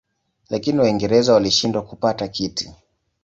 Lakini Waingereza walishindwa kupata kiti.